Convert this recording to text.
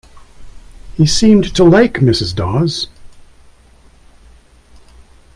He seemed to like Mrs. Dawes.